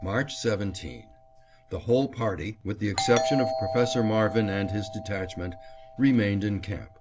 March 17: The whole party, with the exception of Professor Marvin and his detachment, remained in camp.